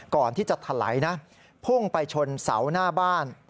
ก่อนที่จะถลัยพุ่งไปชนเสาหน้าบ้าน